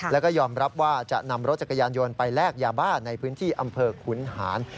แล้วก็ยอมรับว่าจะนำรถจักรยานยนต์ไปแลกยาบ้าในพื้นที่อำเภอขุนหาร